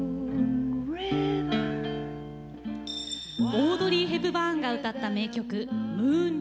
オードリー・ヘプバーンが歌った名曲「ムーン・リバー」。